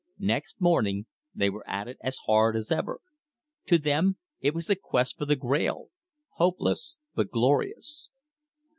Next morning they were at it as hard as ever. To them it was the quest for the Grail, hopeless, but glorious.